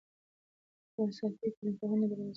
کواساکي ټولنپوهنه د مناسباتو ډګر بولي.